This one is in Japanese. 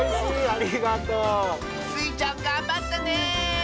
ありがとう！スイちゃんがんばったね！